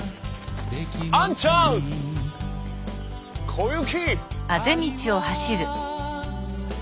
小雪！